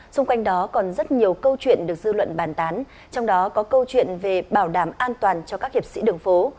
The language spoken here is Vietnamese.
xung quanh đó còn rất nhiều câu chuyện được dư luận bàn tán trong đó có câu chuyện về bảo đảm an toàn cho các hiệp sĩ đường phố